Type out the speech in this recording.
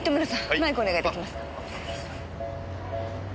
マイクお願い出来ますか。